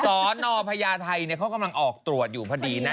สนพญาไทยเขากำลังออกตรวจอยู่พอดีนะ